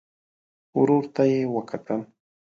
ورور ته يې وکتل.